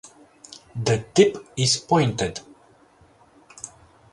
The tip is pointed.